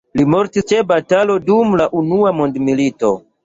Li mortis ĉe batalo dum la unua mondmilito.